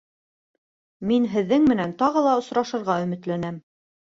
Мин һеҙҙең менән тағы ла осрашырға өмөтләнәм.